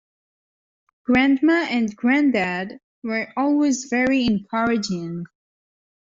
Grandma and grandad were always very encouraging.